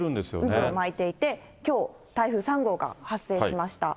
渦を巻いていて、きょう、台風３号が発生しました。